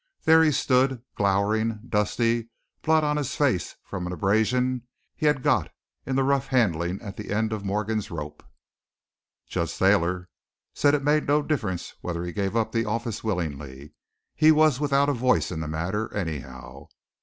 There he stood, glowering, dusty, blood on his face from an abrasion he had got in the rough handling at the end of Morgan's rope. Judge Thayer said it made no difference whether he gave up the office willingly, he was without a voice in the matter, anyhow.